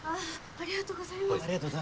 ありがとうございます。